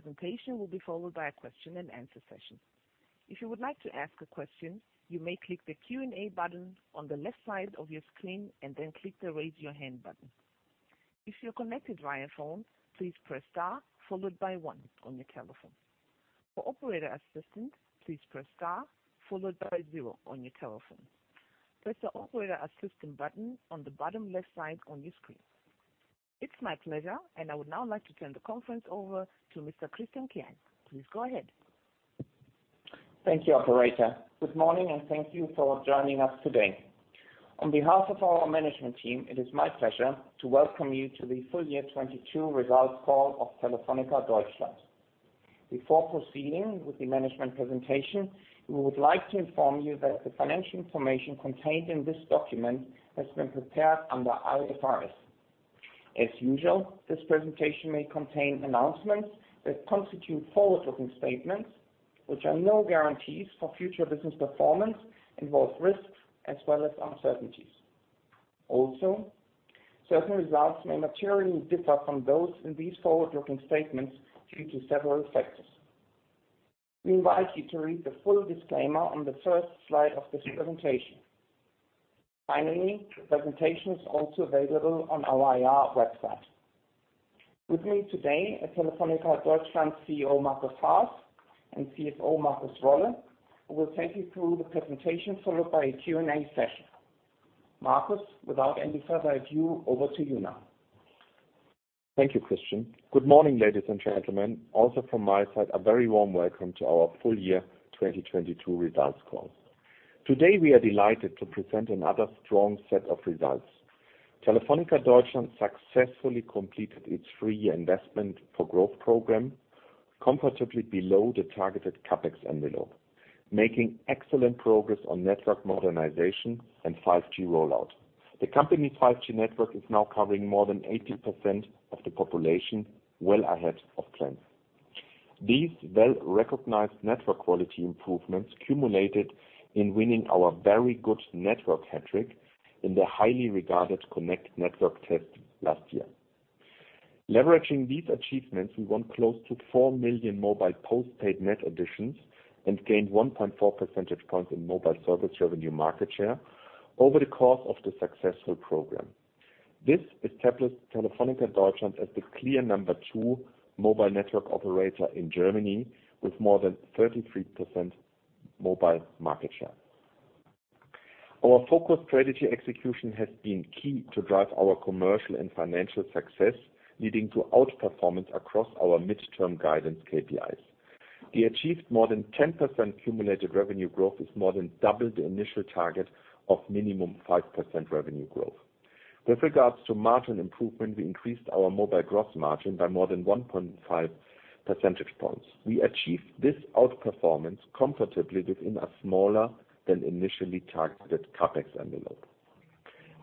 Presentation will be followed by a question and answer session. If you would like to ask a question, you may click the Q&A button on the left side of your screen and then click the Raise Your Hand button. If you're connected via phone, please press star followed by one on your telephone. For operator assistance, please press star followed by zero on your telephone. Press the operator assistant button on the bottom left side on your screen. It's my pleasure. I would now like to turn the conference over to Mr. Christian Kern. Please go ahead. Thank you, operator. Good morning, and thank you for joining us today. On behalf of our management team, it is my pleasure to welcome you to the full year 2022 results call of Telefónica Deutschland. Before proceeding with the management presentation, we would like to inform you that the financial information contained in this document has been prepared under IFRS. As usual, this presentation may contain announcements that constitute forward-looking statements, which are no guarantees for future business performance, involves risks as well as uncertainties. Also, certain results may materially differ from those in these forward-looking statements due to several factors. We invite you to read the full disclaimer on the first slide of this presentation. Finally, the presentation is also available on our IR website. With me today at Telefónica Deutschland, CEO Markus Haas and CFO Markus Rolle, who will take you through the presentation, followed by a Q&A session. Markus, without any further ado, over to you now. Thank you, Christian. Good morning, ladies and gentlemen. Also from my side, a very warm welcome to our full year 2022 results call. Today, we are delighted to present another strong set of results. Telefónica Deutschland successfully completed its three-year Investment for Growth program comfortably below the targeted CapEx envelope, making excellent progress on network modernization and 5G rollout. The company's 5G network is now covering more than 80% of the population, well ahead of plan. These well-recognized network quality improvements culminated in winning our very good network hat trick in the highly regarded Connect network test last year. Leveraging these achievements, we won close to 4 million mobile postpaid net additions and gained 1.4 percentage points in mobile service revenue market share over the course of the successful program. This established Telefónica Deutschland as the clear number two mobile network operator in Germany with more than 33% mobile market share. Our focused strategy execution has been key to drive our commercial and financial success, leading to outperformance across our midterm guidance KPIs. We achieved more than 10% cumulative revenue growth is more than double the initial target of minimum 5% revenue growth. With regards to margin improvement, we increased our mobile gross margin by more than 1.5 percentage points. We achieved this outperformance comfortably within a smaller than initially targeted CapEx envelope.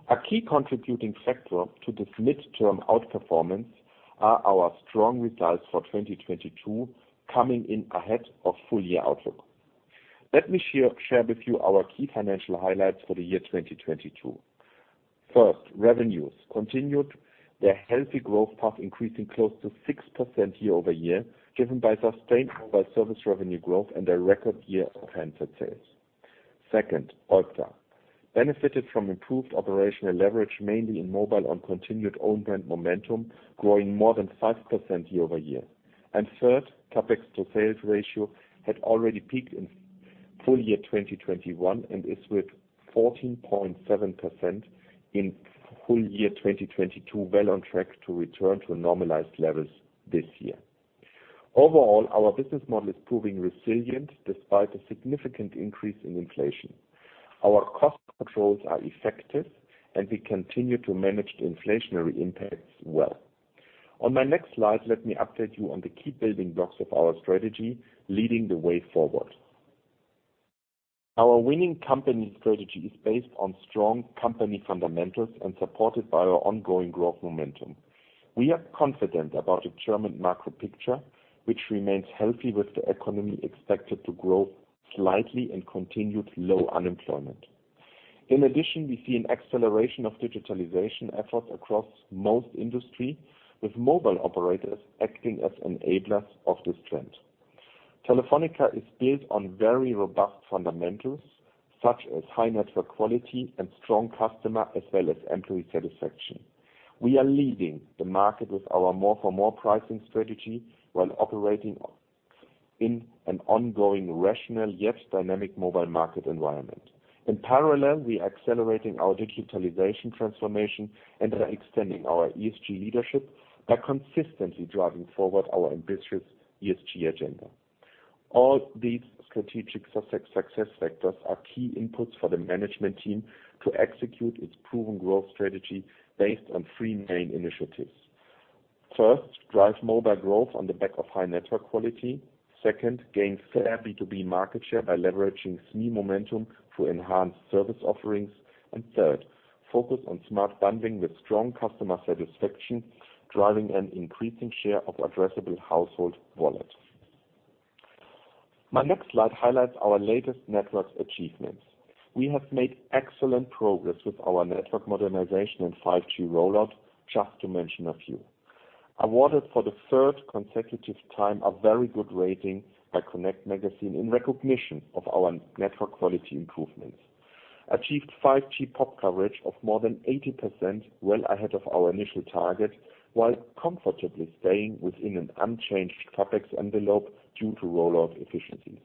A key contributing factor to this midterm outperformance are our strong results for 2022 coming in ahead of full year outlook. Let me share with you our key financial highlights for the year 2022. First, revenues continued their healthy growth path, increasing close to 6% year-over-year, driven by sustained mobile service revenue growth and a record year of handset sales. Second, OIBDA benefited from improved operational leverage, mainly in mobile on continued own brand momentum, growing more than 5% year-over-year. Third, CapEx to sales ratio had already peaked in full year 2021 and is with 14.7% in full year 2022, well on track to return to normalized levels this year. Overall, our business model is proving resilient despite a significant increase in inflation. Our cost controls are effective, and we continue to manage the inflationary impacts well. On my next slide, let me update you on the key building blocks of our strategy leading the way forward. Our winning company strategy is based on strong company fundamentals and supported by our ongoing growth momentum. We are confident about a German macro picture which remains healthy, with the economy expected to grow slightly and continued low unemployment. In addition, we see an acceleration of digitalization efforts across most industry, with mobile operators acting as enablers of this trend. Telefónica is built on very robust fundamentals such as high network quality and strong customer as well as employee satisfaction. We are leading the market with our more-for-more pricing strategy while operating in an ongoing rational yet dynamic mobile market environment. In parallel, we are accelerating our digitalization transformation and are extending our ESG leadership by consistently driving forward our ambitious ESG agenda. All these strategic success factors are key inputs for the management team to execute its proven growth strategy based on three main initiatives. First, drive mobile growth on the back of high network quality. Second, gain fair B2B market share by leveraging SME momentum through enhanced service offerings. Third, focus on smart bundling with strong customer satisfaction, driving an increasing share of addressable household wallet. My next slide highlights our latest networks achievements. We have made excellent progress with our network modernization and 5G rollout, just to mention a few. Awarded for the third consecutive time, a very good rating by connect in recognition of our network quality improvements. Achieved 5G pop coverage of more than 80%, well ahead of our initial target, while comfortably staying within an unchanged CapEx envelope due to rollout efficiencies.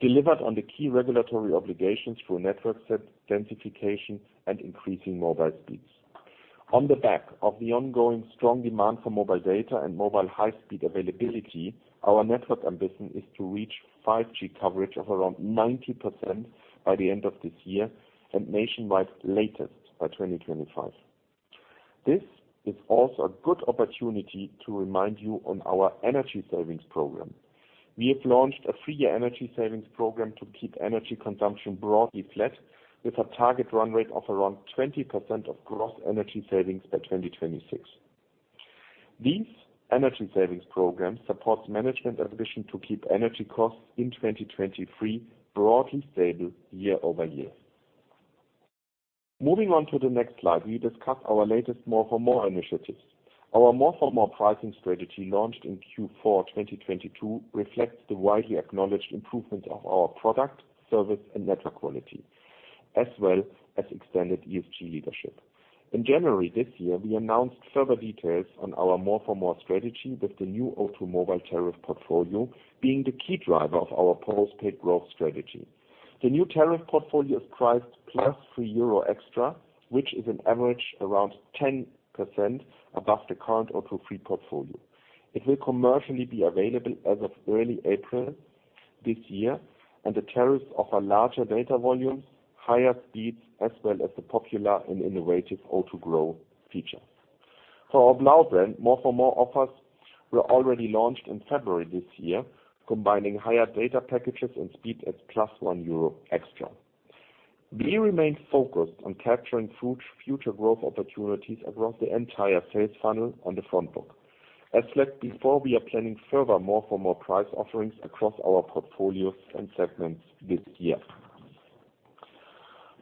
Delivered on the key regulatory obligations through network densification and increasing mobile speeds. On the back of the ongoing strong demand for mobile data and mobile high speed availability, our network ambition is to reach 5G coverage of around 90% by the end of this year and nationwide latest by 2025. This is also a good opportunity to remind you on our energy savings program. We have launched a three-year energy savings program to keep energy consumption broadly flat with a target run rate of around 20% of gross energy savings by 2026. These energy savings program supports management ambition to keep energy costs in 2023 broadly stable year-over-year. Moving on to the next slide, we discuss our latest more-for-more initiatives. Our more-for-more pricing strategy, launched in Q4 2022, reflects the widely acknowledged improvement of our product, service and network quality, as well as extended ESG leadership. In January this year, we announced further details on our More for More strategy, with the new O2 Mobile tariff portfolio being the key driver of our postpaid growth strategy. The new tariff portfolio is priced plus 3 euro extra, which is an average around 10% above the current O2 Free portfolio. The tariffs offer larger data volumes, higher speeds, as well as the popular and innovative O2 Grow feature. For our Blau brand, More for More offers were already launched in February this year, combining higher data packages and speed at plus 1 euro extra. We remain focused on capturing future growth opportunities across the entire sales funnel on the front book. As said before, we are planning further More for More price offerings across our portfolios and segments this year.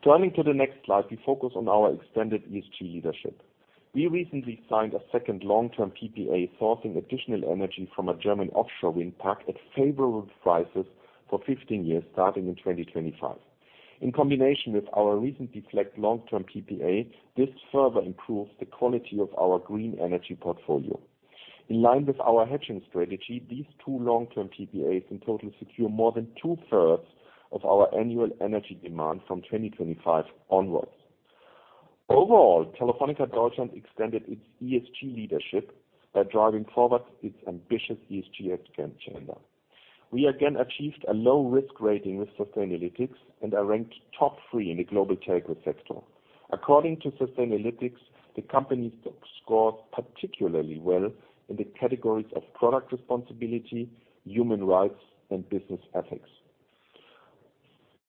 Turning to the next slide, we focus on our extended ESG leadership. We recently signed a second long-term PPA, sourcing additional energy from a German offshore wind park at favorable prices for 15 years, starting in 2025. In combination with our recent deflect long-term PPA, this further improves the quality of our green energy portfolio. In line with our hedging strategy, these two long-term PPAs in total secure more than two-thirds of our annual energy demand from 2025 onwards. Overall, Telefónica Deutschland extended its ESG leadership by driving forward its ambitious ESG agenda. We again achieved a low risk rating with Sustainalytics and are ranked top three in the global telco sector. According to Sustainalytics, the company's stock scored particularly well in the categories of product responsibility, human rights, and business ethics.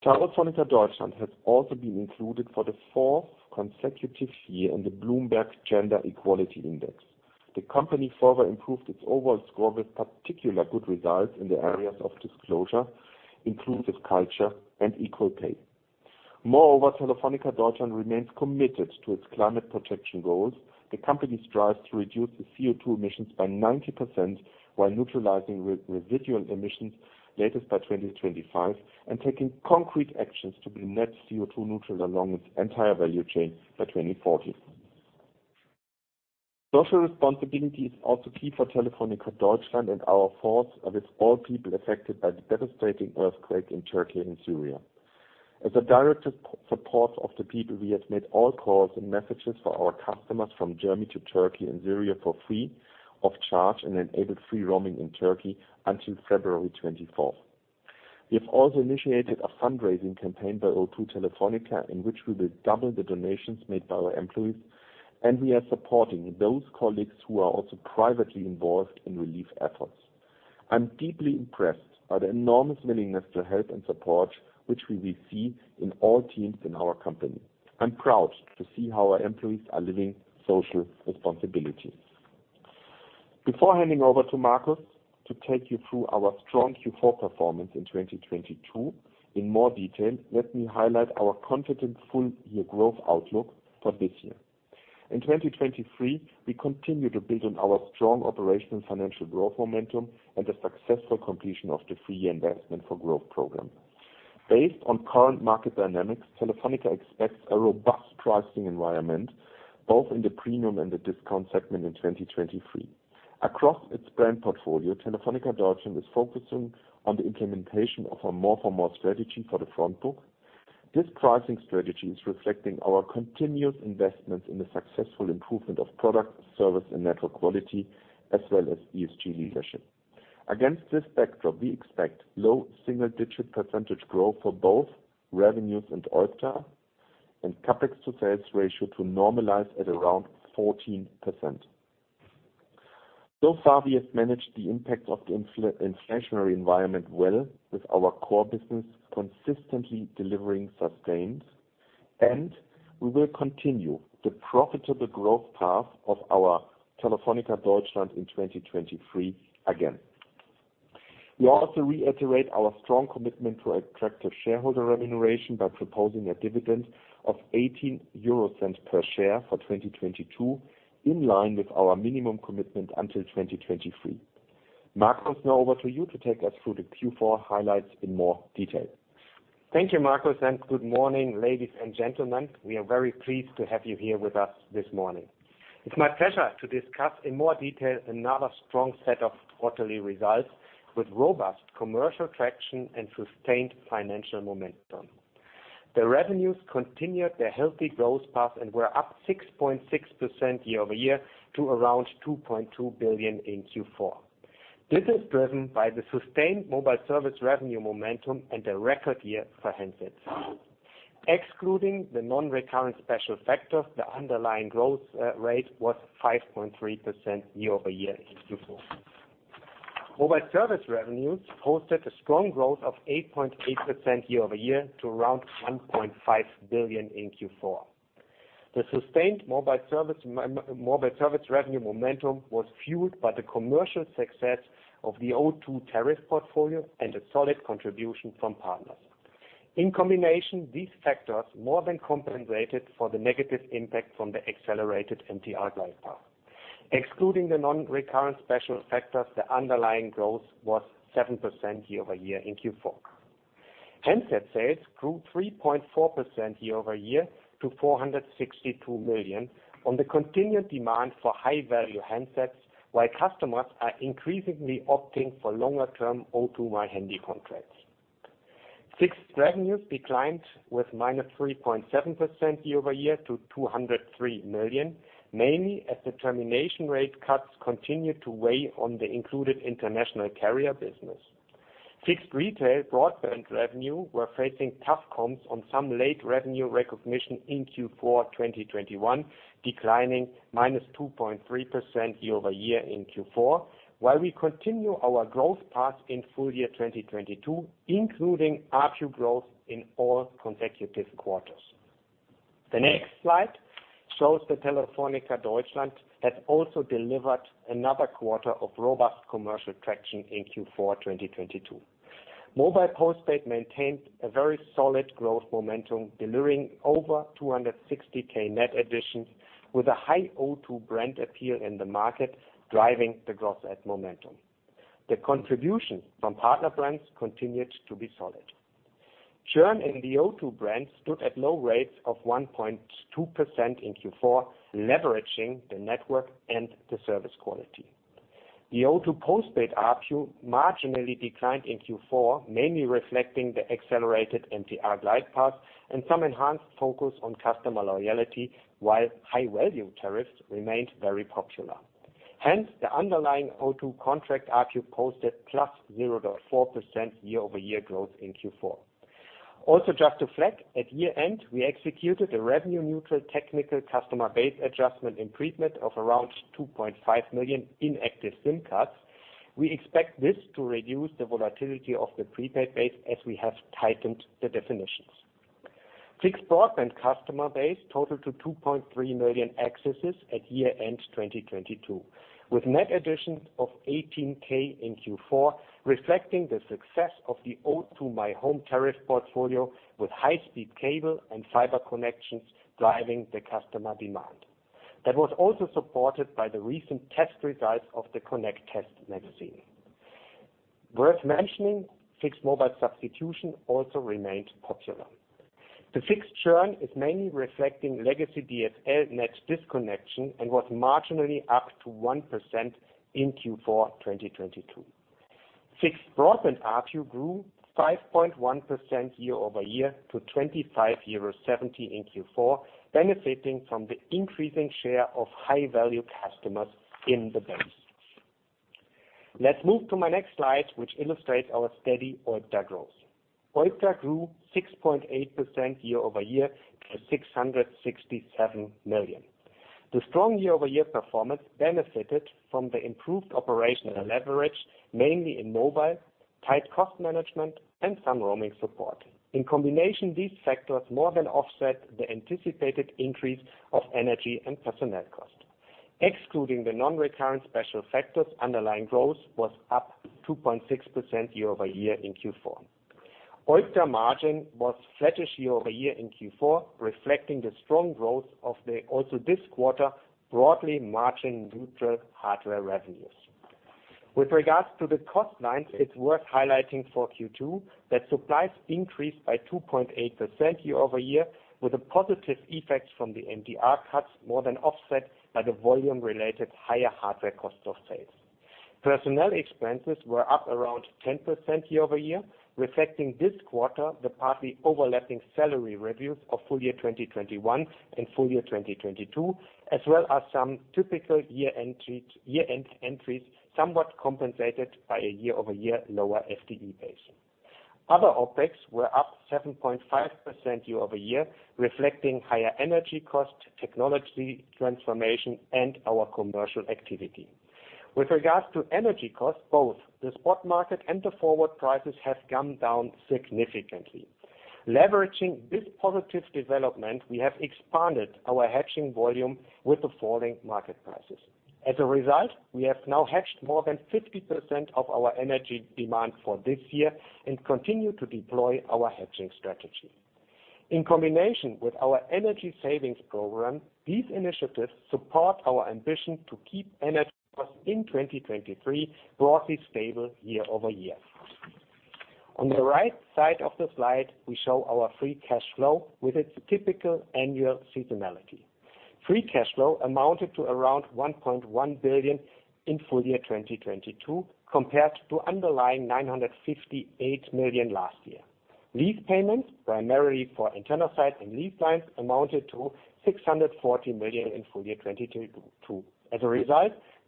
Telefónica Deutschland has also been included for the fourth consecutive year in the Bloomberg Gender-Equality Index. The company further improved its overall score with particular good results in the areas of disclosure, inclusive culture and equal pay. Moreover, Telefónica Deutschland remains committed to its climate protection goals. The company strives to reduce its CO2 emissions by 90% while neutralizing residual emissions latest by 2025 and taking concrete actions to be net CO2 neutral along its entire value chain by 2040. Social responsibility is also key for Telefónica Deutschland and our thoughts are with all people affected by the devastating earthquake in Turkey and Syria. As a direct support of the people, we have made all calls and messages for our customers from Germany to Turkey and Syria free of charge and enabled free roaming in Turkey until February 24th. We have also initiated a fundraising campaign by O₂ Telefónica, in which we will double the donations made by our employees. We are supporting those colleagues who are also privately involved in relief efforts. I'm deeply impressed by the enormous willingness to help and support which we will see in all teams in our company. I'm proud to see how our employees are living social responsibility. Before handing over to Markus to take you through our strong Q4 performance in 2022 in more detail, let me highlight our confident full year growth outlook for this year. In 2023, we continue to build on our strong operational and financial growth momentum and the successful completion of the three-year Investment for Growth program. Based on current market dynamics, Telefónica Deutschland expects a robust pricing environment both in the premium and the discount segment in 2023. Across its brand portfolio, Telefónica Deutschland is focusing on the implementation of a more-for-more strategy for the front book. This pricing strategy is reflecting our continuous investments in the successful improvement of product, service and network quality, as well as ESG leadership. Against this backdrop, we expect low single-digit percentage growth for both revenues and OIBDA, and CapEx to sales ratio to normalize at around 14%. So far, we have managed the impact of the inflationary environment well with our core business consistently delivering sustainedAnd we will continue the profitable growth path of our Telefónica Deutschland in 2023 again. We also reiterate our strong commitment to attractive shareholder remuneration by proposing a dividend of 0.18 per share for 2022, in line with our minimum commitment until 2023. Markus, now over to you to take us through the Q4 highlights in more detail. Thank you, Markus. Good morning, ladies and gentlemen. We are very pleased to have you here with us this morning. It's my pleasure to discuss in more detail another strong set of quarterly results with robust commercial traction and sustained financial momentum. The revenues continued their healthy growth path and were up 6.6% year-over-year to around 2.2 billion in Q4. This is driven by the sustained mobile service revenue momentum and a record year for handsets. Excluding the non-recurrent special factors, the underlying growth rate was 5.3% year-over-year in Q4. Mobile service revenues posted a strong growth of 8.8% year-over-year to around 1.5 billion in Q4. The sustained mobile service revenue momentum was fueled by the commercial success of the O2 tariff portfolio and a solid contribution from partners. These factors more than compensated for the negative impact from the accelerated MDR glide path. Excluding the non-recurrent special factors, the underlying growth was 7% year-over-year in Q4. Handset sales grew 3.4% year-over-year to 462 million on the continued demand for high-value handsets, while customers are increasingly opting for longer-term O2 My Handy contracts. Fixed revenues declined with -3.7% year-over-year to 203 million, mainly as the termination rate cuts continued to weigh on the included international carrier business. Fixed retail broadband revenue were facing tough comps on some late revenue recognition in Q4 2021, declining -2.3% year-over-year in Q4, while we continue our growth path in full year 2022, including ARPU growth in all consecutive quarters. The next slide shows that Telefónica Deutschland has also delivered another quarter of robust commercial traction in Q4 2022. Mobile postpaid maintained a very solid growth momentum, delivering over 260K net additions with a high O2 brand appeal in the market, driving the gross add momentum. The contribution from partner brands continued to be solid. Churn in the O2 brand stood at low rates of 1.2% in Q4, leveraging the network and the service quality. The O2 postpaid ARPU marginally declined in Q4, mainly reflecting the accelerated MDR glide path and some enhanced focus on customer loyalty, while high-value tariffs remained very popular. The underlying O2 contract ARPU posted +0.4% year-over-year growth in Q4. At year-end, we executed a revenue-neutral technical customer base adjustment in prepayment of around 2.5 million inactive SIM cards. We expect this to reduce the volatility of the prepaid base as we have tightened the definitions. Fixed broadband customer base totaled 2.3 million accesses at year-end 2022, with net additions of 18K in Q4, reflecting the success of the O2 My Home tariff portfolio with high-speed cable and fiber connections driving the customer demand. That was also supported by the recent test results of the Connect Test magazine. Worth mentioning, fixed mobile substitution also remained popular. The fixed churn is mainly reflecting legacy DSL net disconnection and was marginally up to 1% in Q4 2022. Fixed broadband ARPU grew 5.1% year-over-year to 25.70 euros in Q4, benefiting from the increasing share of high-value customers in the base. Let's move to my next slide, which illustrates our steady OIBDA growth. OIBDA grew 6.8% year-over-year to 667 million. The strong year-over-year performance benefited from the improved operational leverage, mainly in mobile, tight cost management, and some roaming support. In combination, these factors more than offset the anticipated increase of energy and personnel costs. Excluding the non-recurrent special factors, underlying growth was up 2.6% year-over-year in Q4. OIBDA margin was flattish year-over-year in Q4, reflecting the strong growth of the, also this quarter, broadly margin-neutral hardware revenues. With regards to the cost lines, it's worth highlighting for Q2 that supplies increased by 2.8% year-over-year with the positive effects from the MDR cuts more than offset by the volume-related higher hardware cost of sales. Personnel expenses were up around 10% year-over-year, reflecting this quarter the partly overlapping salary reviews of full year 2021 and full year 2022, as well as some typical year-end entries, somewhat compensated by a year-over-year lower FTE base. Other OpEx were up 7.5% year-over-year, reflecting higher energy costs, technology transformation, and our commercial activity. With regards to energy costs, both the spot market and the forward prices have come down significantly. Leveraging this positive development, we have expanded our hedging volume with the falling market prices. We have now hedged more than 50% of our energy demand for this year and continue to deploy our hedging strategy. In combination with our energy savings program, these initiatives support our ambition to keep energy costs in 2023 broadly stable year-over-year. On the right side of the slide, we show our Free Cash Flow with its typical annual seasonality. Free Cash Flow amounted to around 1.1 billion in full year 2022, compared to underlying 958 million last year. Lease payments, primarily for internal sites and lease lines, amounted to 640 million in full year 2022.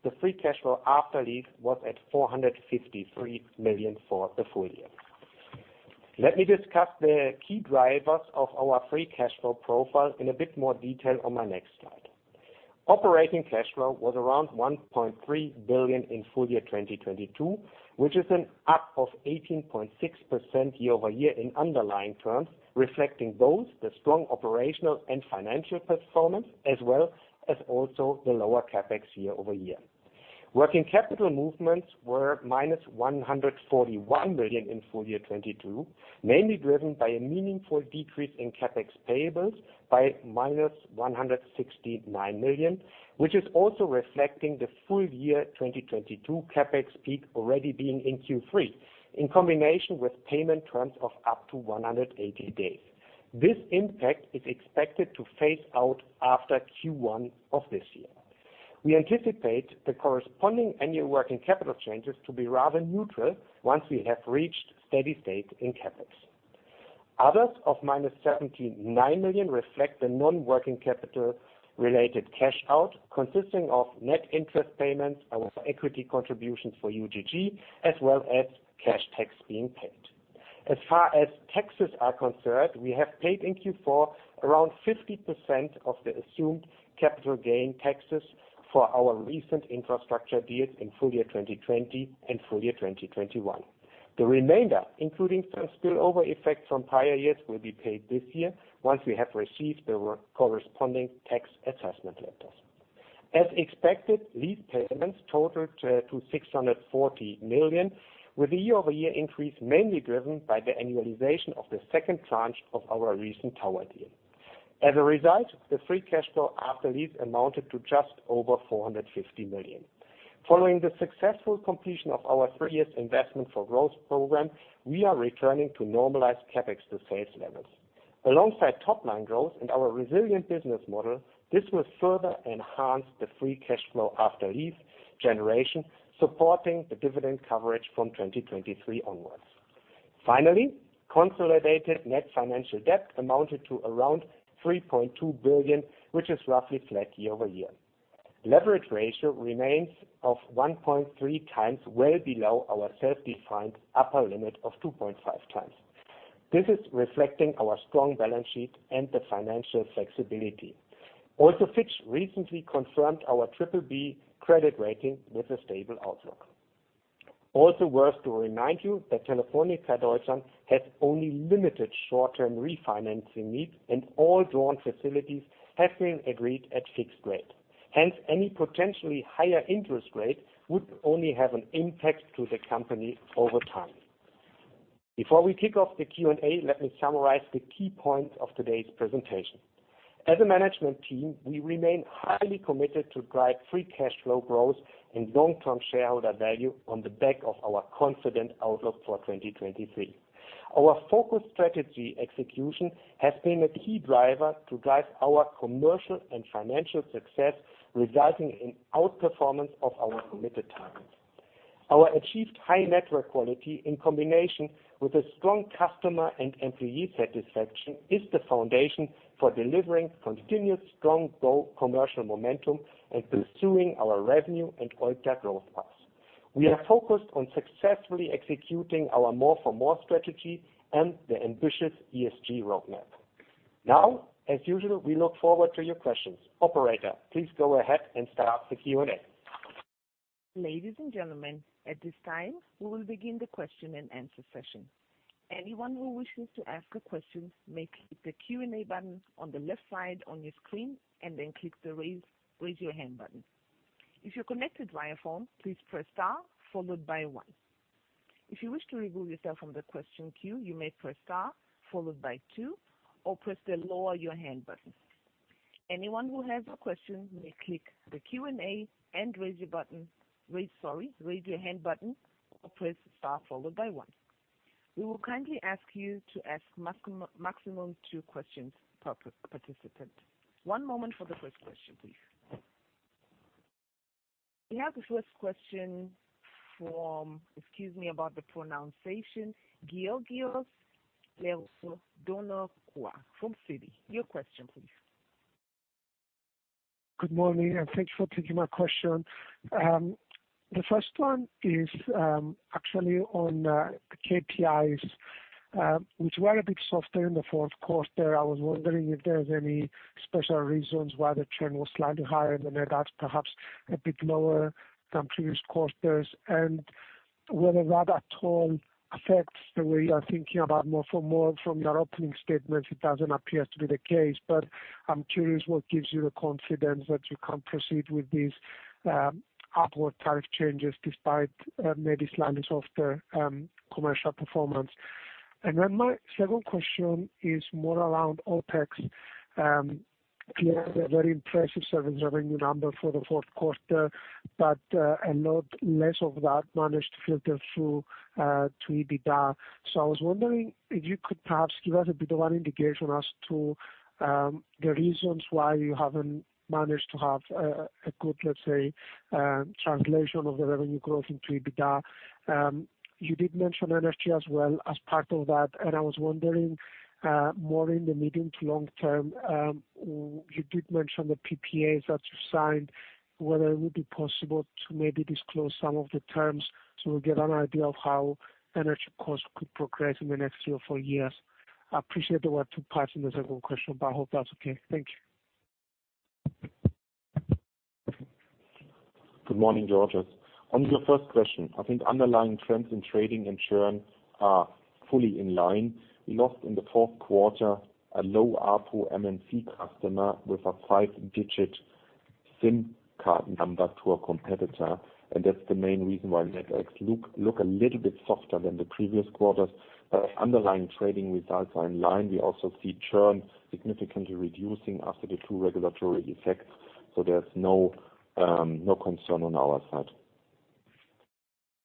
The Free Cash Flow after lease was at 453 million for the full year. Let me discuss the key drivers of our free cash flow profile in a bit more detail on my next slide. Operating cash flow was around 1.3 billion in full year 2022, which is an up of 18.6% year-over-year in underlying terms, reflecting both the strong operational and financial performance, as well as also the lower CapEx year-over-year. Working capital movements were -141 million in full year 2022, mainly driven by a meaningful decrease in CapEx payables by -169 million, which is also reflecting the full year 2022 CapEx peak already being in Q3 in combination with payment terms of up to 180 days. This impact is expected to phase out after Q1 of this year. We anticipate the corresponding annual working capital changes to be rather neutral once we have reached steady state in CapEx. Others of -79 million reflect the non-working capital related cash out, consisting of net interest payments, our equity contributions for UGG, as well as cash tax being paid. As far as taxes are concerned, we have paid in Q4 around 50% of the assumed capital gain taxes for our recent infrastructure deals in full year 2020 and full year 2021. The remainder, including some spillover effects from prior years, will be paid this year once we have received the corresponding tax assessment letters. As expected, these payments totaled 640 million, with the year-over-year increase mainly driven by the annualization of the second tranche of our recent tower deal. As a result, the Free Cash Flow after lease amounted to just over 450 million. Following the successful completion of our three-years Investment for Growth program, we are returning to normalized CapEx to sales levels. Alongside top-line growth and our resilient business model, this will further enhance the Free Cash Flow after lease generation, supporting the dividend coverage from 2023 onwards. Finally, consolidated net financial debt amounted to around 3.2 billion, which is roughly flat year-over-year. Leverage ratio remains of 1.3x, well below our self-defined upper limit of 2.5x. This is reflecting our strong balance sheet and the financial flexibility. Fitch recently confirmed our BBB credit rating with a stable outlook. Worth to remind you that Telefónica Deutschland has only limited short-term refinancing needs, and all drawn facilities have been agreed at fixed rate. Any potentially higher interest rate would only have an impact to the company over time. Before we kick off the Q&A, let me summarize the key points of today's presentation. As a management team, we remain highly committed to drive Free Cash Flow growth and long-term shareholder value on the back of our confident outlook for 2023. Our focused strategy execution has been a key driver to drive our commercial and financial success, resulting in outperformance of our committed targets. Our achieved high network quality in combination with a strong customer and employee satisfaction, is the foundation for delivering continuous strong go commercial momentum and pursuing our revenue and OIBDA growth path. We are focused on successfully executing our more-for-more strategy and the ambitious ESG roadmap. As usual, we look forward to your questions. Operator, please go ahead and start the Q&A. Ladies and gentlemen, at this time, we will begin the question-and-answer session. Anyone who wishes to ask a question may click the Q&A button on the left side on your screen and then click the raise your hand button. If you're connected via phone, please press star followed by one. If you wish to remove yourself from the question queue, you may press star followed by two or press the lower your hand button. Anyone who has a question may click the Q&A and raise your button. Raise, sorry, raise your hand button or press star followed by one. We will kindly ask you to ask maximum two questions per participant. One moment for the first question, please. We have the first question from, excuse me about the pronunciation, Georgios Ierodiaconou from Citi. Your question, please. Good morning, thanks for taking my question. The first one is actually on the KPIs. which were a bit softer in the fourth quarter. I was wondering if there's any special reasons why the trend was slightly higher than that, perhaps a bit lower than previous quarters, and whether that at all affects the way you are thinking about more. From your opening statements, it doesn't appear to be the case, but I'm curious what gives you the confidence that you can proceed with these upward tariff changes despite maybe slightly softer commercial performance. My second question is more around OpEx. You had a very impressive service revenue number for the fourth quarter, but a lot less of that managed to filter through to EBITDA. I was wondering if you could perhaps give us a bit of an indication as to the reasons why you haven't managed to have a good, let's say, translation of the revenue growth into EBITDA. You did mention energy as well as part of that, and I was wondering, more in the medium to long term, you did mention the PPAs that you signed, whether it would be possible to maybe disclose some of the terms so we get an idea of how energy costs could progress in the next two or four years. I appreciate there were two parts in the second question, I hope that's okay. Thank you. Good morning, Georgios. On your first question, I think underlying trends in trading and churn are fully in line. We lost in the fourth quarter a low ARPU MNC customer with a five-digit SIM card number to a competitor, and that's the main reason why net adds look a little bit softer than the previous quarters. Underlying trading results are in line. We also see churn significantly reducing after the two regulatory effects. There's no concern on our side.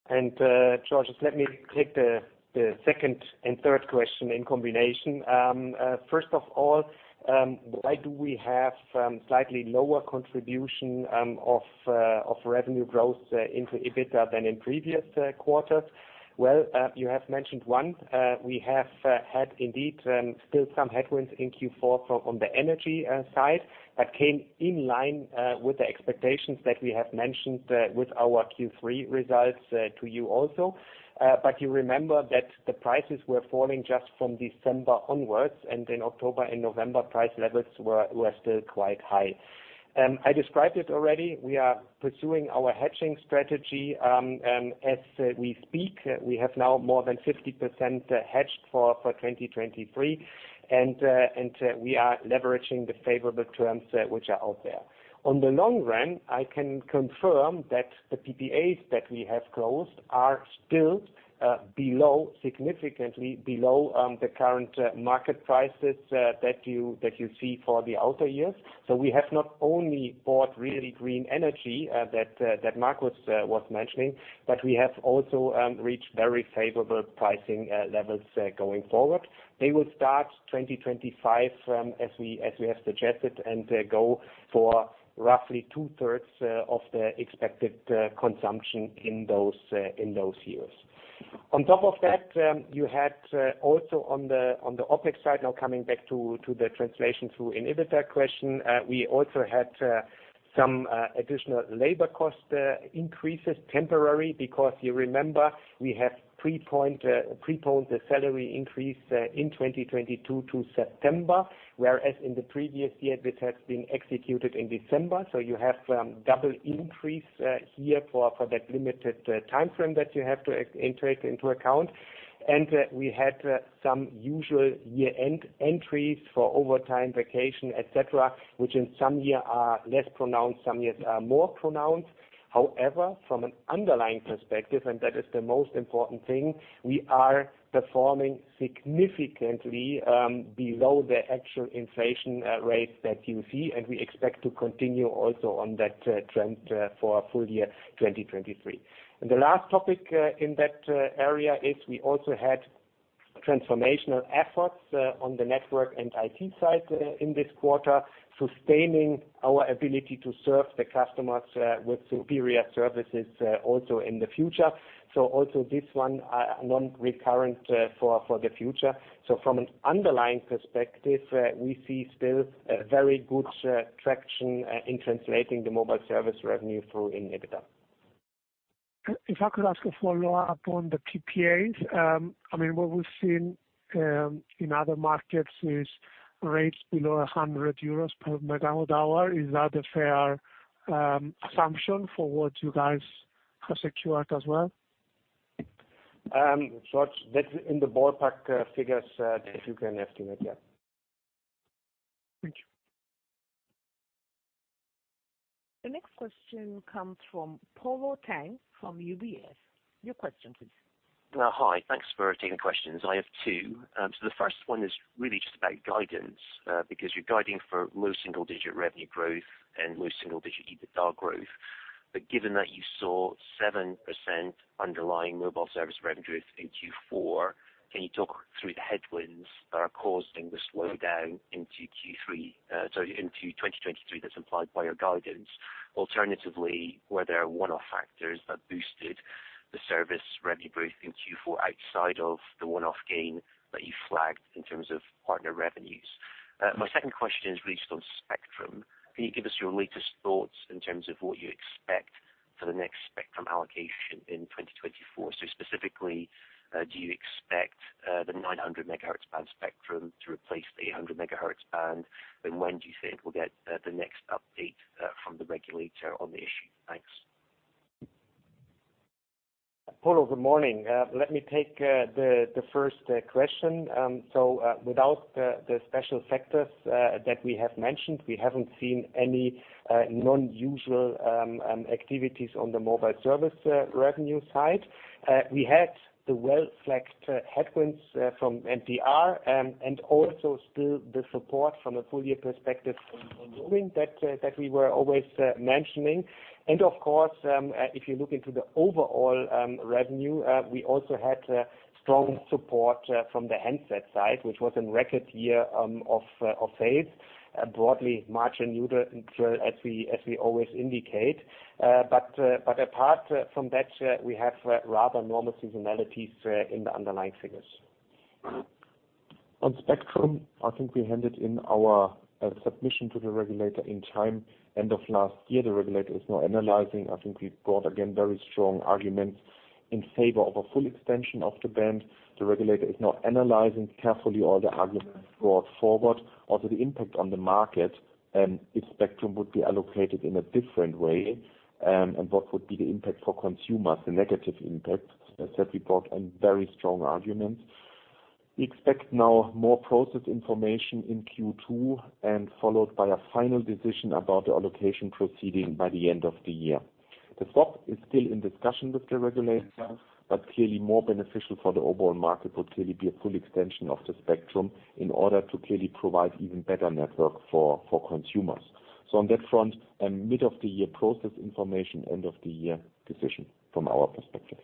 Georgios, let me take the second and third question in combination. First of all, why do we have slightly lower contribution of revenue growth into EBITDA than in previous quarters? You have mentioned one, we have had indeed still some headwinds in Q4 from, on the energy side that came in line with the expectations that we have mentioned with our Q3 results to you also. You remember that the prices were falling just from December onwards, and in October and November, price levels were still quite high. I described it already. We are pursuing our hedging strategy as we speak. We have now more than 50% hedged for 2023, and we are leveraging the favorable terms which are out there. On the long run, I can confirm that the PPAs that we have closed are still below, significantly below, the current market prices that you see for the outer years. We have not only bought really green energy that Markus was mentioning, but we have also reached very favorable pricing levels going forward. They will start 2025 as we have suggested, and go for roughly two-thirds of the expected consumption in those years. On top of that, you had also on the OpEx side, now coming back to the translation through in EBITDA question. We also had some additional labor cost increases temporarily because you remember, we have pre-point the salary increase in 2022 to September, whereas in the previous year, this has been executed in December. You have double increase here for that limited timeframe that you have to enter into account. We had some usual year-end entries for overtime, vacation, et cetera, which in some year are less pronounced, some years are more pronounced. However, from an underlying perspective, that is the most important thing, we are performing significantly below the actual inflation rates that you see, we expect to continue also on that trend for full year 2023. The last topic in that area is we also had transformational efforts on the network and IT side in this quarter, sustaining our ability to serve the customers with superior services also in the future. Also this one, non-recurrent for the future. From an underlying perspective, we see still a very good traction in translating the mobile service revenue through in EBITDA. If I could ask a follow-up on the PPAs. I mean, what we've seen in other markets is rates below 100 euros MWh. Is that a fair assumption for what you guys have secured as well? That's in the ballpark figures that you can estimate, yeah. Thank you. The next question comes from Paul Kratz from UBS. Your question please. Well, hi. Thanks for taking questions. I have two. The first one is really just about guidance because you're guiding for low single digit revenue growth and low single digit EBITDA growth. Given that you saw 7% underlying mobile service revenue in Q4, can you talk through the headwinds that are causing the slowdown into Q3 into 2023 that's implied by your guidance? Alternatively, were there one-off factors that boosted the service revenue growth in Q4 outside of the one-off gain that you flagged in terms of partner revenues? My second question is based on spectrum. Can you give us your latest thoughts in terms of what you expect for the next spectrum allocation in 2024? Specifically, do you expect the 900 MHz band spectrum to replace the 800 MHz band? When do you think we'll get the next update from the regulator on the issue? Thanks. Paul, good morning. Let me take the first question. So, without the special factors that we have mentioned, we haven't seen any non-usual activities on the mobile service revenue side. We had the well-flagged headwinds from NPR and also still the support from a full year perspective on roaming that we were always mentioning. Of course, if you look into the overall revenue, we also had strong support from the handset side, which was a record year of sales. Broadly margin neutral as we always indicate. Apart from that, we have rather normal seasonalities in the underlying figures. On spectrum, I think we handed in our submission to the regulator in time end of last year. The regulator is now analyzing. I think we brought, again, very strong arguments in favor of a full extension of the band. The regulator is now analyzing carefully all the arguments brought forward. Also, the impact on the market, if spectrum would be allocated in a different way, and what would be the impact for consumers, the negative impact, as that we brought and very strong arguments. We expect now more process information in Q2 and followed by a final decision about the allocation proceeding by the end of the year. The stock is still in discussion with the regulators, but clearly more beneficial for the overall market would clearly be a full extension of the spectrum in order to clearly provide even better network for consumers. On that front, mid of the year process information, end of the year decision from our perspective.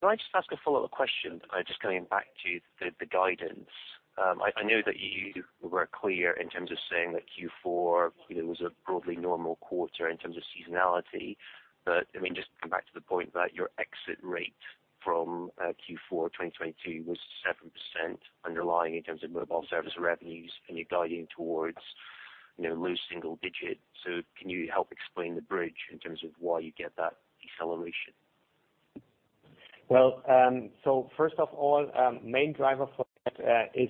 Can I just ask a follow-up question, just coming back to the guidance. I know that you were clear in terms of saying that Q4, you know, was a broadly normal quarter in terms of seasonality. I mean, just to come back to the point that your exit rate from Q4 2022 was 7% underlying in terms of mobile service revenues, and you're guiding towards, you know, low single digit. Can you help explain the bridge in terms of why you get that deceleration? Well, first of all, main driver for that is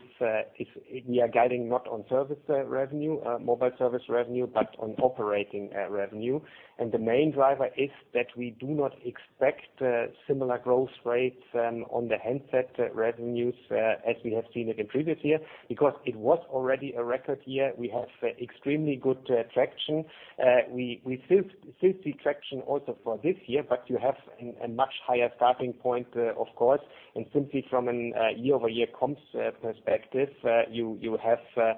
we are guiding not on service revenue, mobile service revenue, but on operating revenue. The main driver is that we do not expect similar growth rates on the handset revenues as we have seen it in previous year, because it was already a record year. We have extremely good traction. We still see traction also for this year, but you have a much higher starting point, of course. Simply from a year-over-year comps perspective, you have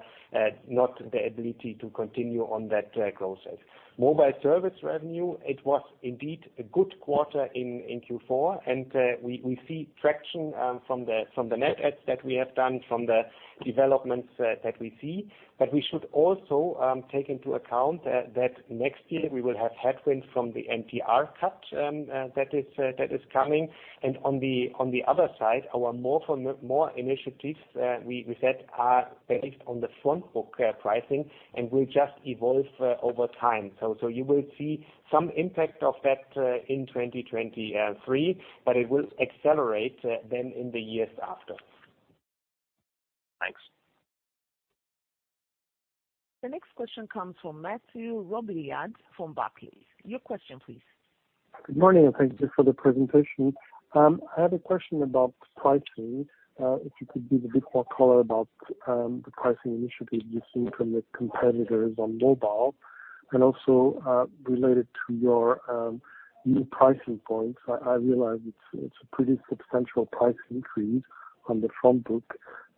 not the ability to continue on that growth rate. Mobile service revenue, it was indeed a good quarter in Q4, we see traction from the net adds that we have done from the developments that we see. We should also take into account that next year we will have headwinds from the NPR cut that is coming. On the other side, our more-for-more initiatives, we said are based on the front book pricing and will just evolve over time. You will see some impact of that in 2023, but it will accelerate then in the years after. Thanks. The next question comes from Mathieu Robilliard from Barclays. Your question please. Good morning, and thank you for the presentation. I have a question about pricing. if you could be a bit more color about, the pricing initiatives we've seen from the competitors on mobile and also, related to your, new pricing points. I realize it's a pretty substantial price increase on the front book,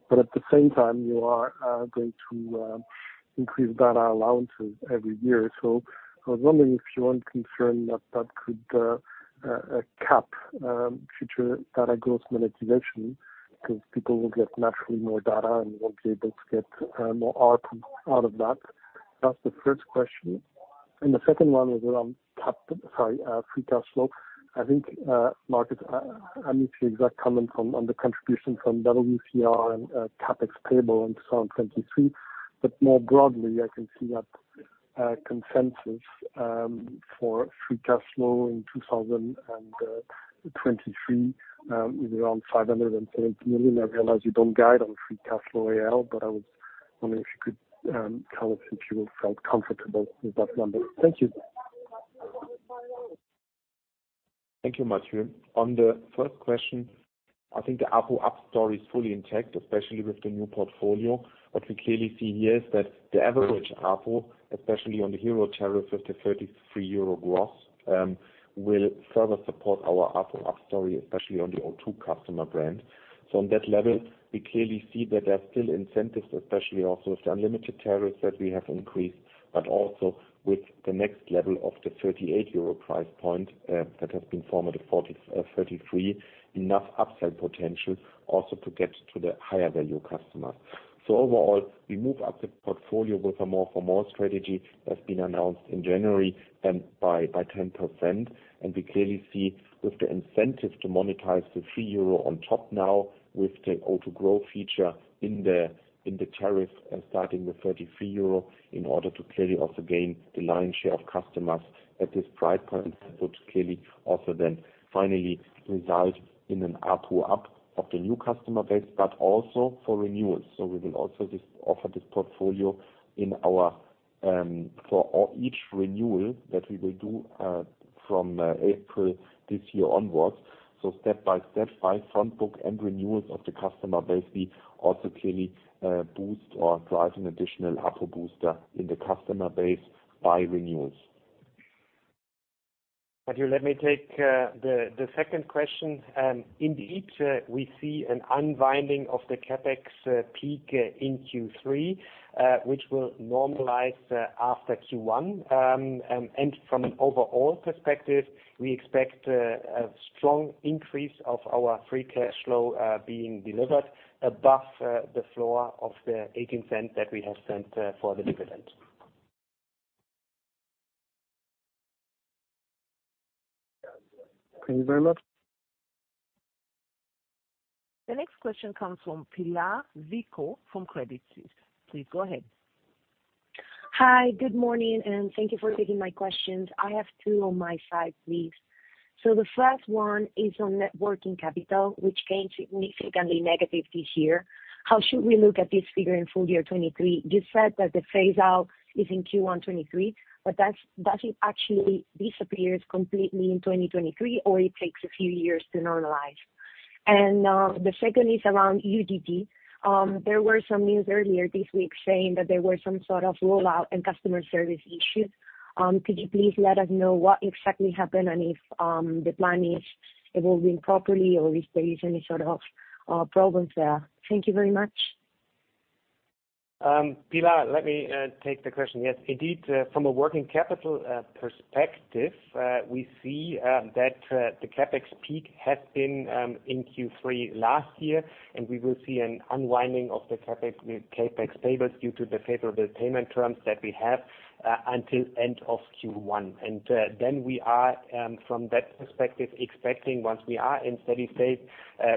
but at the same time, you are, going to, increase data allowances every year. I was wondering if you weren't concerned that could, cap, future data growth monetization because people will get naturally more data, and you won't be able to get, more ARPU out of that. That's the first question. The second one was around sorry, Free Cash Flow. I think, Markus, I missed your exact comment from, on the contribution from WCR and CapEx payable in 2023. More broadly, I can see that consensus for free cash flow in 2023 is around 530 million. I realize you don't guide on Free Cash Flow aL, but I was wondering if you could tell us if you felt comfortable with that number. Thank you. Thank you, Mathieu. On the first question, I think the ARPU up story is fully intact, especially with the new portfolio. What we clearly see here is that the average ARPU, especially on the hero tariff with the 33 euro gross, will further support our ARPU up story, especially on the O2 customer brand. On that level, we clearly see that there are still incentives, especially also with the unlimited tariffs that we have increased. Also with the next level of the 38 euro price point, that has been former the 33, enough upsell potential also to get to the higher value customer. Overall, we move up the portfolio with a more-for-more strategy that's been announced in January and by 10%. We clearly see with the incentive to monetize the 3 euro on top now with the O2 Grow feature in the tariff, starting with 33 euro in order to clearly also gain the lion's share of customers at this price point, that would clearly also then finally result in an ARPU up of the new customer base, but also for renewals. We will also offer this portfolio in our for all each renewal that we will do from April this year onwards. Step by step, by front book and renewals of the customer base, we also clearly boost or drive an additional ARPU booster in the customer base by renewals. Mauthieu, let me take the second question. Indeed, we see an unwinding of the CapEx peak in Q3, which will normalize after Q1. From an overall perspective, we expect a strong increase of our Free Cash Flow, being delivered above the floor of the 0.08 that we have sent for the dividend. Thank you very much. The next question comes from Pilar Vico from Credit Suisse. Please go ahead. Hi. Good morning, and thank you for taking my questions. I have two on my side, please. The first one is on net working capital, which came significantly negative this year. How should we look at this figure in full year 2023? You said that the phase out is in Q1 2023, but that, does it actually disappears completely in 2023, or it takes a few years to normalize? The second is around UGG. There were some news earlier this week saying that there were some sort of rollout and customer service issues. Could you please let us know what exactly happened and if the plan is evolving properly or if there is any sort of problems there? Thank you very much. Pilar, let me take the question. Yes, indeed, from a working capital perspective, we see that the CapEx peak has been in Q3 last year, and we will see an unwinding of the CapEx payments due to the favorable payment terms that we have until end of Q1. Then we are from that perspective, expecting, once we are in steady state,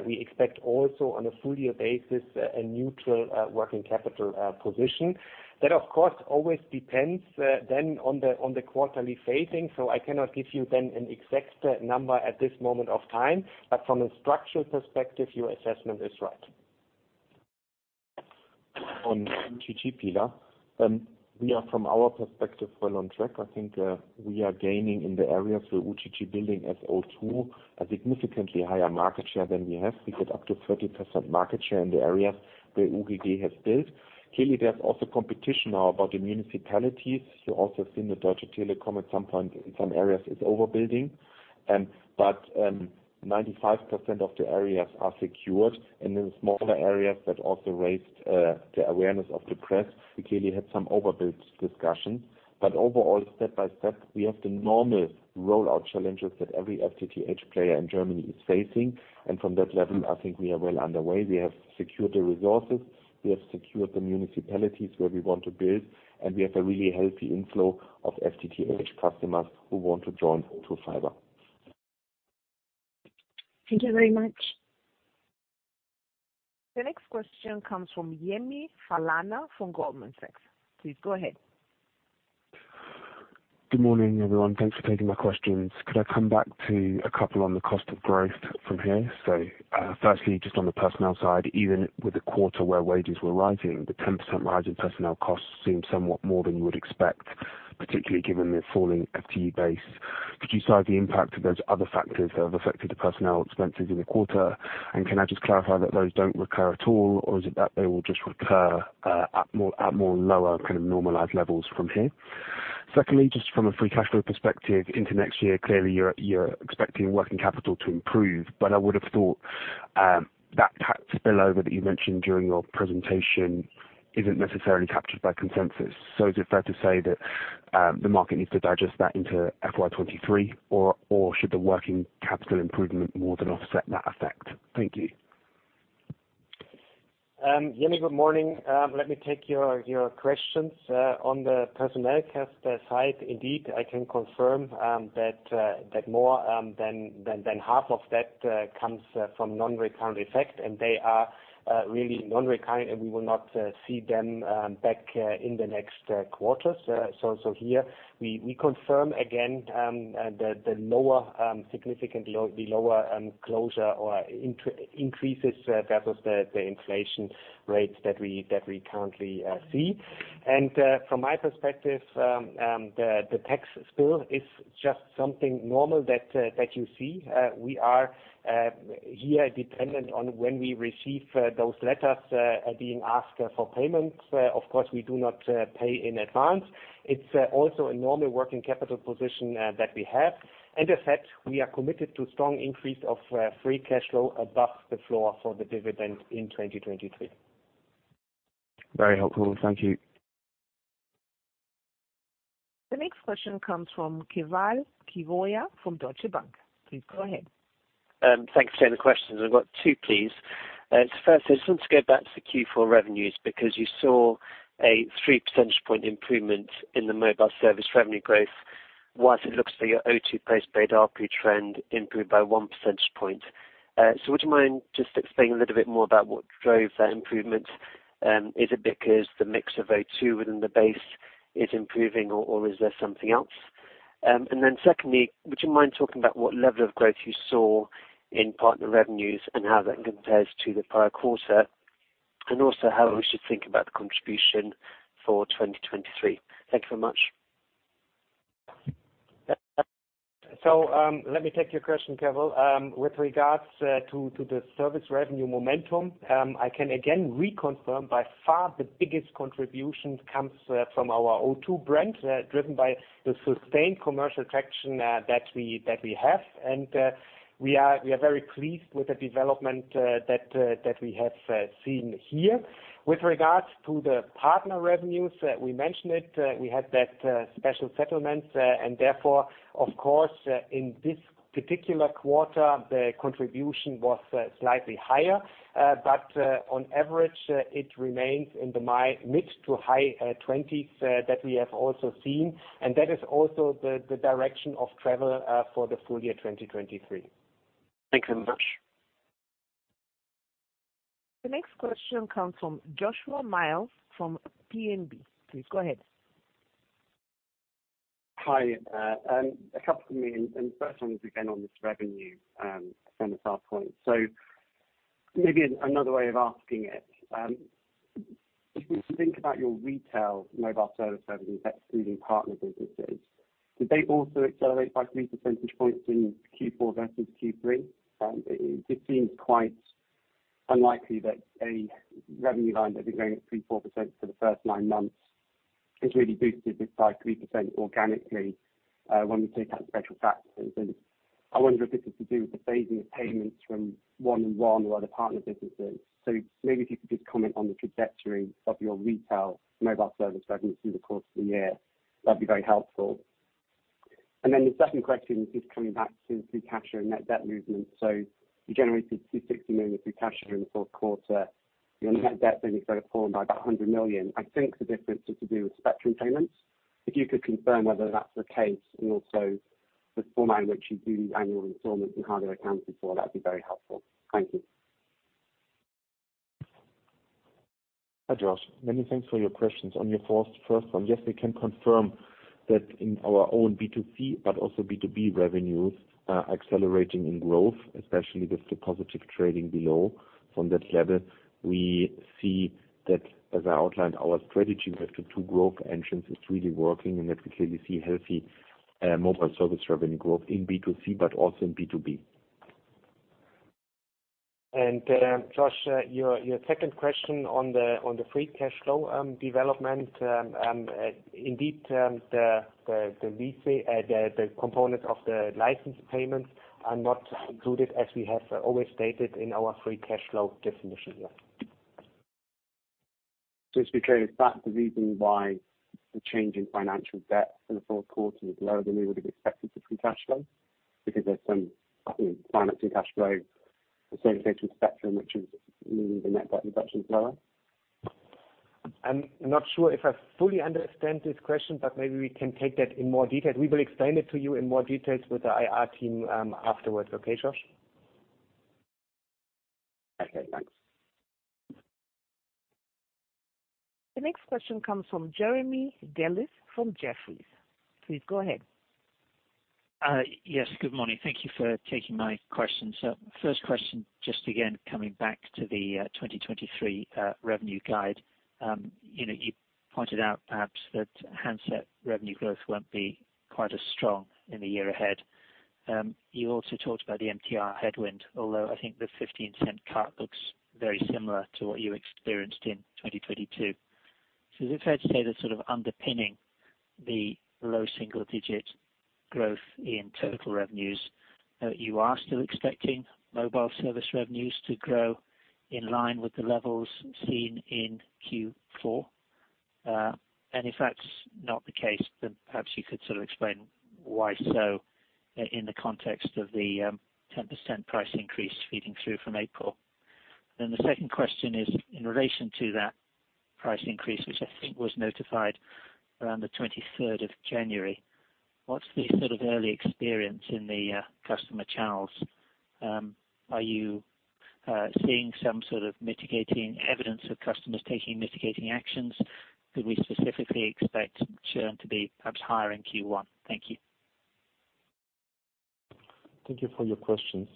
we expect also on a full year basis a neutral working capital position. That of course, always depends then on the quarterly phasing. I cannot give you then an exact number at this moment of time, but from a structural perspective, your assessment is right. On UGG, Pilar, we are from our perspective, well on track. I think, we are gaining in the areas where UGG building as O2, a significantly higher market share than we have. We get up to 30% market share in the areas where UGG has built. Clearly, there's also competition now about the municipalities. You also have seen the Deutsche Telekom at some point in some areas is overbuilding. 95% of the areas are secured. In smaller areas that also raised, the awareness of the press, we clearly had some overbuild discussions. Overall, step by step, we have the normal rollout challenges that every FTTH player in Germany is facing. From that level, I think we are well underway. We have secured the resources, we have secured the municipalities where we want to build, and we have a really healthy inflow of FTTH customers who want to join to fiber. Thank you very much. The next question comes from Yemi Falana from Goldman Sachs. Please go ahead. Good morning, everyone. Thanks for taking my questions. Could I come back to a couple on the cost of growth from here? Firstly, just on the personnel side, even with the quarter where wages were rising, the 10% rise in personnel costs seemed somewhat more than you would expect, particularly given the falling FTE base. Could you cite the impact of those other factors that have affected the personnel expenses in the quarter? Can I just clarify that those don't recur at all, or is it that they will just recur at more lower kind of normalized levels from here? Secondly, just from a Free Cash Flow perspective into next year, clearly you're expecting working capital to improve, but I would have thought that tax spillover that you mentioned during your presentation isn't necessarily captured by consensus. Is it fair to say that, the market needs to digest that into FY 2023, or should the working capital improvement more than offset that effect? Thank you. Yemi, good morning. Let me take your questions on the personnel cost side. Indeed, I can confirm that more than half of that comes from non-recurrent effect, and they are really non-recurrent, and we will not see them back in the next quarters. Here we confirm again the lower increases versus the inflation rates that we currently see. From my perspective, the tax spill is just something normal that you see. We are here dependent on when we receive those letters being asked for payment. Of course, we do not pay in advance. It's also a normal working capital position that we have. In fact, we are committed to strong increase of Free Cash Flow above the floor for the dividend in 2023. Very helpful. Thank you. The next question comes from Keval Khiroya from Deutsche Bank. Please go ahead. Thanks for taking the questions. I've got two, please. Firstly, I just want to go back to the Q4 revenues because you saw a 3 percentage point improvement in the mobile service revenue growth, whilst it looks like your O2 post-paid RPU trend improved by 1 percentage point. Would you mind just explaining a little bit more about what drove that improvement? Is it because the mix of O2 within the base is improving or is there something else? Secondly, would you mind talking about what level of growth you saw in partner revenues and how that compares to the prior quarter? How we should think about the contribution for 2023. Thank you so much. Let me take your question, Christian Fangmann. With regards to the service revenue momentum, I can again reconfirm by far the biggest contributions comes from our O2 brand, driven by the sustained commercial traction that we have. We are very pleased with the development that we have seen here. With regards to the partner revenues, we mentioned it, we had that special settlement. Therefore of course, in this particular quarter, the contribution was slightly higher. On average, it remains in the mid to high 20s, that we have also seen, and that is also the direction of travel for the full year 2023. Thanks very much. The next question comes from Joshua Mills from BNP. Please go ahead. Hi, a couple for me, the first one is again on this revenue from the start point. Maybe another way of asking it, if we think about your retail mobile service revenue, excluding partner businesses, did they also accelerate by 3 percentage points in Q4 versus Q3? It seems quite unlikely that a revenue line that had been growing at 3%, 4% for the first nine months is really boosted by 3% organically when we take out special factors. I wonder if this is to do with the phasing of payments from 1&1 or other partner businesses. Maybe if you could just comment on the trajectory of your retail mobile service revenue through the course of the year, that'd be very helpful. The second question is just coming back to Free Cash and net debt movement. You generated 260 million in Free Cash Flow in the fourth quarter. Your net debt then is sort of falling by 100 million. I think the difference is to do with spectrum payments. If you could confirm whether that's the case and also the format in which you do these annual installments and how they're accounted for, that'd be very helpful. Thank you. Hi, Josh. Many thanks for your questions. On your first one, yes, we can confirm that in our own B2C, but also B2B revenues, accelerating in growth, especially with the positive trading below. From that level, we see that as I outlined our strategy with the two growth engines is really working, and that we clearly see healthy mobile service revenue growth in B2C but also in B2B. Josh, your second question on the free cash flow development. Indeed, the component of the license payments are not included as we have always stated in our free cash flow definition here. Just to be clear, is that the reason why the change in financial debt for the fourth quarter is lower than we would have expected for free cash flow? Because there's some financing cash flow associated with spectrum, which is meaning the net debt reduction is lower. I'm not sure if I fully understand this question, but maybe we can take that in more detail. We will explain it to you in more details with the IR team, afterwards. Okay, Josh? Okay, thanks. The next question comes from Jerry Dellis from Jefferies. Please go ahead. Yes, good morning. Thank you for taking my questions. First question, just again coming back to the 2023 revenue guide. You know, you pointed out perhaps that handset revenue growth won't be quite as strong in the year ahead. You also talked about the MTR headwind, although I think the 0.15 cut looks very similar to what you experienced in 2022. Is it fair to say that sort of underpinning the low single digit growth in total revenues, you are still expecting mobile service revenues to grow in line with the levels seen in Q4? If that's not the case, then perhaps you could sort of explain why in the context of the 10% price increase feeding through from April. The second question is, in relation to that price increase, which I think was notified around the January 23rd, what's the sort of early experience in the customer channels? Are you seeing some sort of mitigating evidence of customers taking mitigating actions? Could we specifically expect churn to be perhaps higher in Q1? Thank you. Thank you for your questions.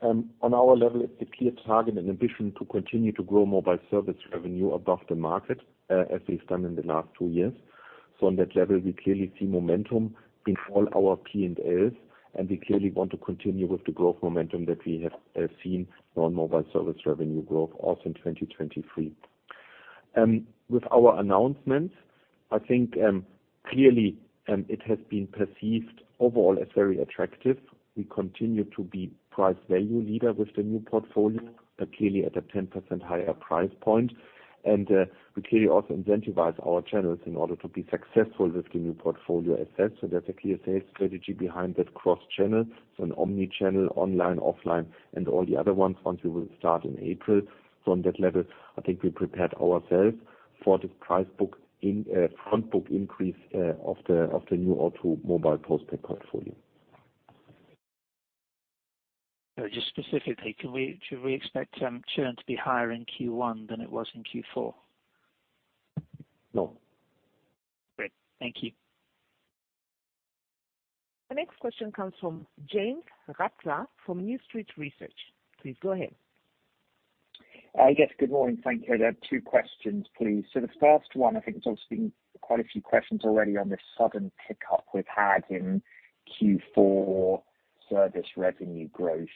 On our level, it's a clear target and ambition to continue to grow mobile service revenue above the market, as we've done in the last two years. On that level, we clearly see momentum in all our P&Ls, and we clearly want to continue with the growth momentum that we have, seen on mobile service revenue growth, also in 2023. With our announcements, I think, clearly, it has been perceived overall as very attractive. We continue to be price value leader with the new portfolio, but clearly at a 10% higher price point. We clearly also incentivize our channels in order to be successful with the new portfolio assets. There's a clear sales strategy behind that cross channel. An omni-channel online, offline, and all the other ones we will start in April. On that level, I think we prepared ourselves for this price book front book increase of the new O2 Mobile postpaid portfolio. Just specifically, can we, should we expect churn to be higher in Q1 than it was in Q4? No. Great. Thank you. The next question comes from James Ratzer from New Street Research. Please go ahead. Yes. Good morning. Thank you. I have two questions, please. The first one, I think there's also been quite a few questions already on the sudden pickup we've had in Q4 service revenue growth,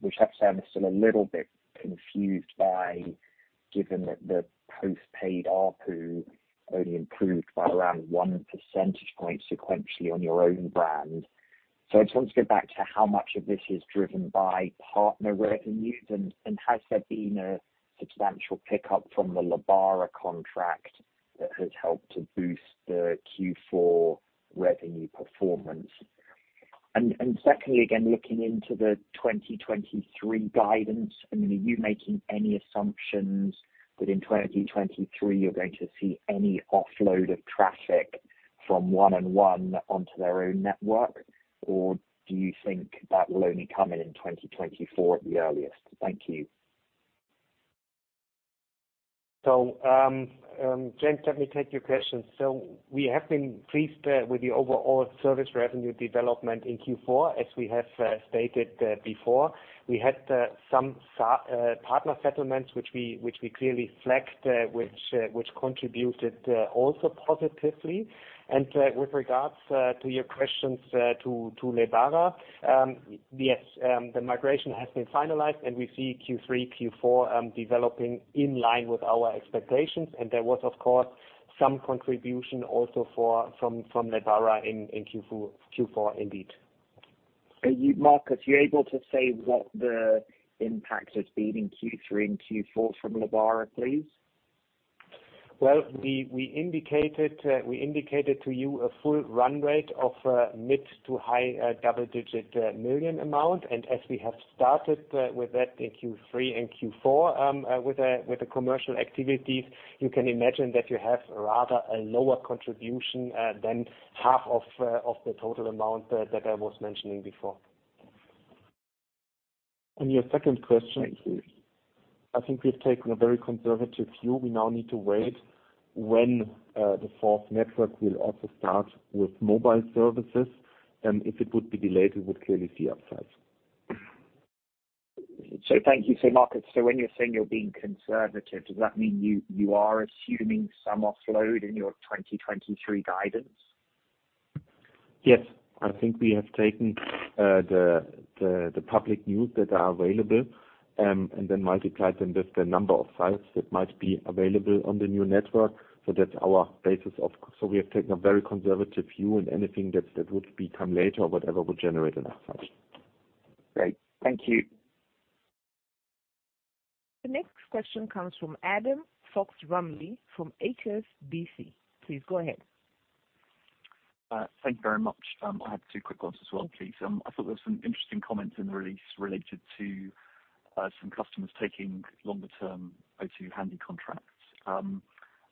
which I have to say I'm still a little bit confused by, given that the post-paid ARPU only improved by around 1 percentage point sequentially on your own brand. I just want to get back to how much of this is driven by partner revenues and has there been a substantial pickup from the Lebara contract that has helped to boost the Q4 revenue performance? Secondly, again, looking into the 2023 guidance, I mean, are you making any assumptions that in 2023 you're going to see any offload of traffic from 1&1 onto their own network? Do you think that will only come in in 2024 at the earliest? Thank you. James, let me take your questions. We have been pleased with the overall service revenue development in Q4. As we have stated before, we had some partner settlements, which we clearly flagged, which contributed also positively. With regards to your questions to Lebara, yes, the migration has been finalized, and we see Q3, Q4 developing in line with our expectations. There was, of course, some contribution also from Lebara in Q4 indeed. Markus, are you able to say what the impact has been in Q3 and Q4 from Lebara, please? Well, we indicated to you a full run rate of mid to high double-digit million amount. As we have started with that in Q3 and Q4, with the commercial activities, you can imagine that you have rather a lower contribution than half of the total amount that I was mentioning before. Your second question. Thank you. I think we've taken a very conservative view. We now need to wait when the fourth network will also start with mobile services. If it would be delayed, we would clearly see upsides. Thank you. Markus, when you're saying you're being conservative, does that mean you are assuming some offload in your 2023 guidance? I think we have taken the public news that are available, then multiplied them with the number of sites that might be available on the new network. That's our basis. We have taken a very conservative view, and anything that would be come later or whatever will generate enough sites. Great. Thank you. The next question comes from Adam Fox-Rumley from HSBC. Please go ahead. Uh, thank you very much. Um, I have two quick ones as well, please. Um, I thought there was some interesting comments in the release related to, uh, some customers taking longer-term O2 Handy contracts. Um,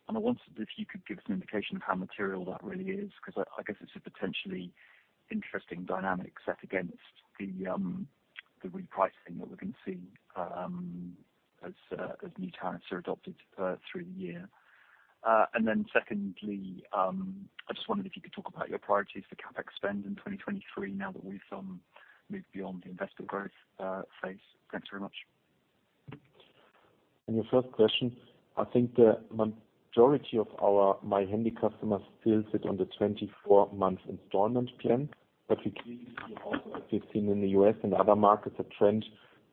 and I wondered if you could give us an indication of how material that really is, because I, I guess it's a potentially interesting dynamic set against the, um, the repricing that we're going to see, um, as, uh, as new tariffs are adopted, uh, through the year. Uh, and then secondly, um, I just wondered if you could talk about your priorities for CapEx spend in twenty-twenty-three now that we've, um, moved beyond the investor growth, uh, phase. Thanks very much. On your first question, I think the majority of our My Handy customers still sit on the 24-month installment plan. We clearly see also, as we've seen in the U.S. and other markets, a trend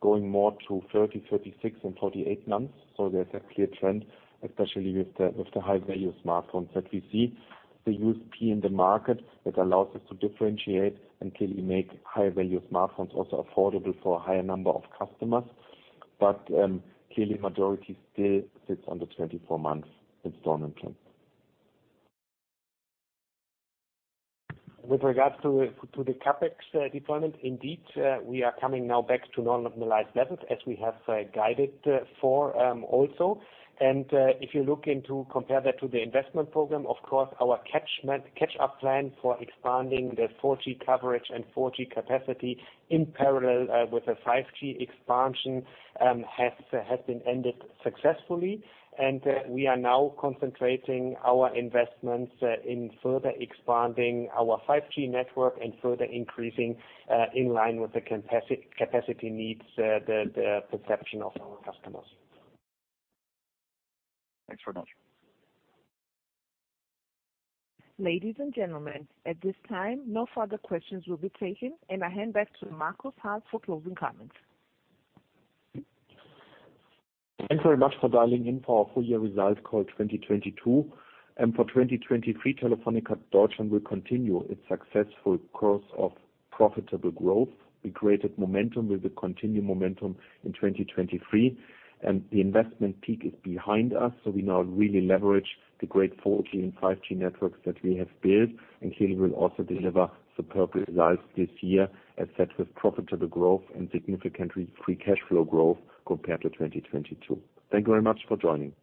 going more to 30, 36 and 48 months. There's a clear trend, especially with the high-value smartphones that we see. The USP in the market that allows us to differentiate until you make higher value smartphones also affordable for a higher number of customers. Clearly majority still sits on the 24 months installment plan. With regards to the CapEx deployment, indeed, we are coming now back to normalized levels, as we have guided for also. If you look into compare that to the investment program, of course, our catch up plan for expanding the 4G coverage and 4G capacity in parallel with the 5G expansion has been ended successfully. We are now concentrating our investments in further expanding our 5G network and further increasing in line with the capacity needs the perception of our customers. Thanks very much. Ladies and gentlemen, at this time, no further questions will be taken, and I hand back to Markus Haas for closing comments. Thanks very much for dialing in for our full year results call 2022. For 2023, Telefónica Deutschland will continue its successful course of profitable growth. We created momentum. We will continue momentum in 2023. The investment peak is behind us, so we now really leverage the great 4G and 5G networks that we have built and clearly will also deliver superb results this year, as set with profitable growth and significantly Free Cash Flow growth compared to 2022. Thank you very much for joining.